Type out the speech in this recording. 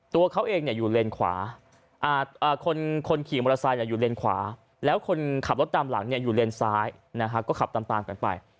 ตัวเขาเองอยู่เลนขวาคนขี่มอเตอร์ไซค์อยู่เลนขวาแล้วคนขับรถตามหลังอยู่เลนซ้ายก็ขับตามกันไป